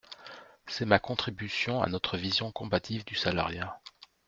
C’est ma contribution à notre vision combative du salariat.